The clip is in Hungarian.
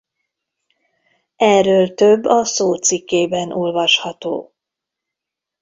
Erről több a szócikkében olvasható.